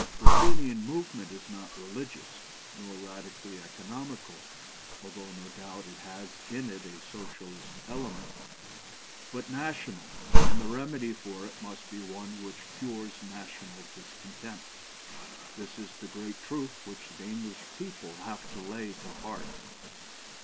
"The Fenian movement is not religious, nor radically economical (though no doubt it has in it a socialistic element), but national, and the remedy for it must be one which cures national discontent. This is the great truth which the English people have to lay to heart."